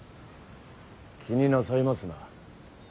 気になさいますな。